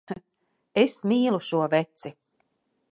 Es mīlu šo veci.